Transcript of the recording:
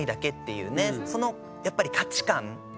そのやっぱり価値観がある。